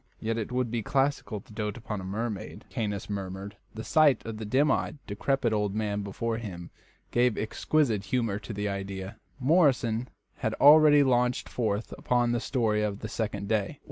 "Yet it would be classical to dote upon a mermaid," Caius murmured. The sight of the dim eyed, decrepit old man before him gave exquisite humour to the idea. Morrison had already launched forth upon the story of the second day.